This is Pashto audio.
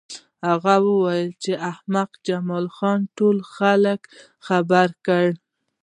هغه وویل چې احمق جمال خان ټول خلک خبر کړل